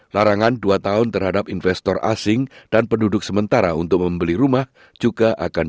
larangan dua tahun terhadap investor asing dan penduduk sementara untuk membeli rumah juga akan